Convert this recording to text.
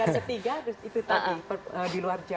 setiga itu tadi di luar jawa ya